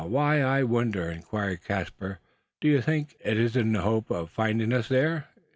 why, I wonder," inquired Caspar. "Do you think," added he, "it is in the hope of finding us there?